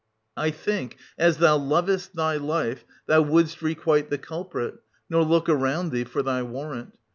I think, as thou lovest thy life, theu wouldst requite the culprit, nor look around thee for thy warrant.